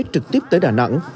trực tiếp tới đà nẵng